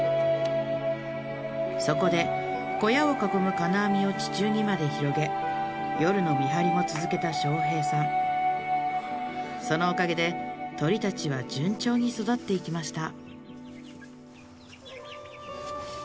そこで小屋を囲む金網を地中にまで広げ夜の見張りも続けた将兵さんそのおかげで鶏たちは順調に育っていきました